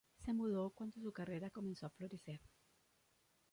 Se mudó cuando su carrera comenzó a florecer.